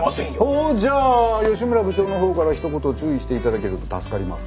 ほうじゃあ吉村部長の方からひと言注意して頂けると助かります。